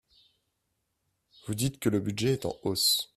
Vous dites que le budget est en hausse.